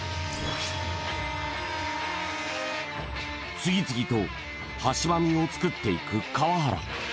次々と端喰を作っていく川原